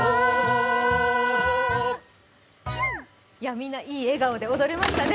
みんな、いい笑顔で踊れましたね。